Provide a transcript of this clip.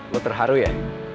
lo terharu ya